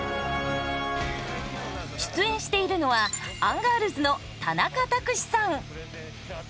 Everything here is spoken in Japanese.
出演しているのはアンガールズの田中卓志さん。